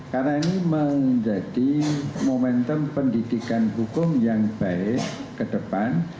karena ini menjadi momentum pendidikan hukum yang baik ke depan